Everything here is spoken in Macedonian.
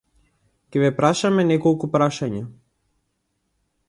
Ќе ве прашаме неколку прашања.